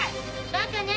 バカね